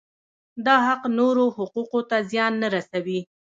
دا حق نورو حقوقو ته زیان نه رسوي.